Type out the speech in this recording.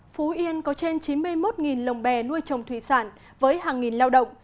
phú yên có trên chín mươi một lồng bè nuôi trồng thủy sản với hàng nghìn lao động